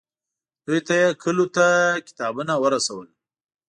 دوی ته یې کلیو ته کتابونه ورسول.